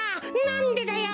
なんでだよ！